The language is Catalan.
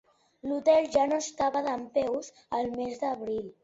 L'hotel ja no estava dempeus al mes d'abril.